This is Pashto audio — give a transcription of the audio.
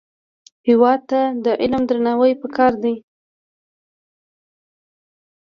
هېواد ته د علم درناوی پکار دی